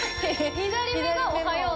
左目がおはよう。